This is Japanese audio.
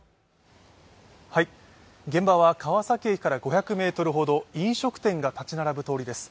現場は川崎駅から５００ｍほど、飲食店が立ち並ぶ通りです。